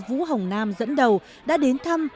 vũ hồng nam dẫn đầu đã đến thăm